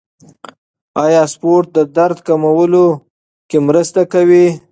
آیا سپورت د درد کمولو کې مرسته کوي؟